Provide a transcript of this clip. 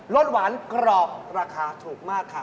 สหวานกรอบราคาถูกมากค่ะ